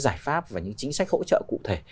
giải pháp và những chính sách hỗ trợ cụ thể